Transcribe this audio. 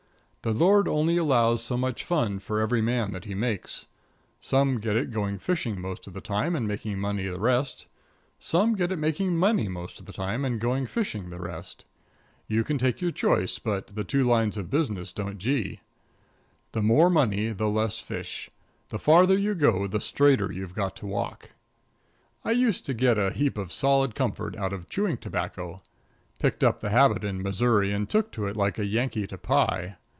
The Lord only allows so much fun for every man that He makes. Some get it going fishing most of the time and making money the rest; some get it making money most of the time and going fishing the rest. You can take your choice, but the two lines of business don't gee. The more money, the less fish. The farther you go, the straighter you've got to walk. I used to get a heap of solid comfort out of chewing tobacco. Picked up the habit in Missouri, and took to it like a Yankee to pie.